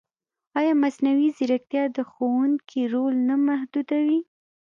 ایا مصنوعي ځیرکتیا د ښوونکي رول نه محدودوي؟